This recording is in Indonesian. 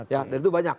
ya dan itu banyak